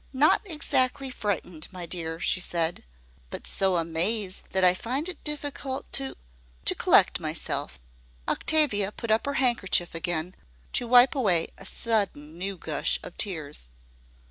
"Not exactly frightened, my dear," she said, "but so amazed that I find it difficult to to collect myself." Octavia put up her handkerchief again to wipe away a sudden new gush of tears.